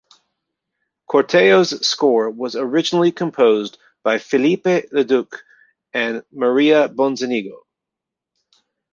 "Corteo"'s score was originally composed by Philippe Leduc and Maria Bonzanigo.